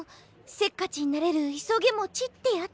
せっかちになれるいそげもちってやつ。